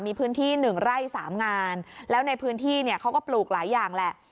มีพื้นที่๑ไร่๓งานแล้วในพื้นที่เขาก็ปลูกหลายอย่างแหละ